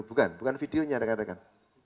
bukan bukan videonya rekan rekan